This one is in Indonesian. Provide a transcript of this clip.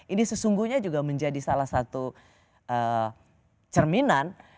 ini sesungguhnya juga menjadi salah satu cerminan